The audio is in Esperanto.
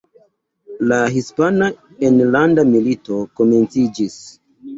La Hispana Enlanda Milito komenciĝis.